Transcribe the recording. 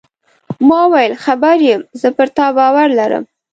ما وویل: خبر یم، زه پر تا باور لرم.